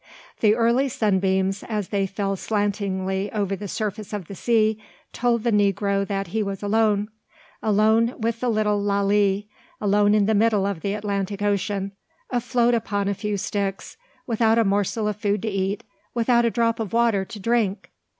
The early sunbeams, as they fell slantingly over the surface of the sea, told the negro that he was alone, alone with the little Lalee, alone in the middle of the Atlantic Ocean, afloat upon a few sticks, without a morsel of food to eat, without a drop of water to drink!